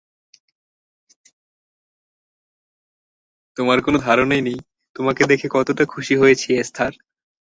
তোমার কোনো ধারণাই নেই তোমাকে দেখে কতোটা খুশি হয়েছি, এস্থার।